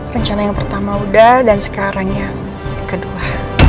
rencana yang pertama udah dan sekarang yang kedua